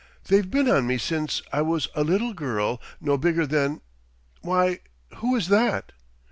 They've been on me since I was a little girl no bigger than why, who is that?"